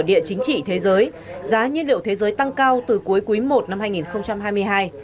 điện chính trị thế giới giá nhiên liệu thế giới tăng cao từ cuối cuối một năm hai nghìn hai mươi hai